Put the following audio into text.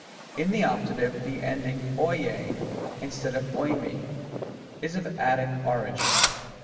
In the Optative, the ending oiriv, instead of o/^^, is of Attic origin.